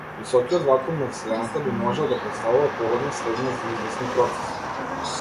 Високиот вакуум на вселената би можел да претставува погодна средина за извесни процеси.